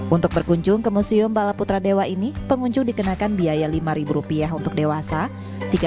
untuk berkunjung ke museum bala putra dewa ini pengunjung dikenakan biaya lima rupiah untuk dewasa